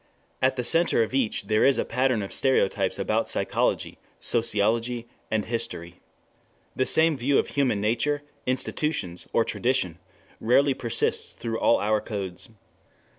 At the center of each there is a pattern of stereotypes about psychology, sociology, and history. The same view of human nature, institutions or tradition rarely persists through all our codes.